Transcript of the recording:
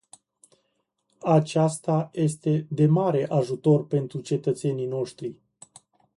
Aceasta este de mare ajutor pentru cetățenii noștri.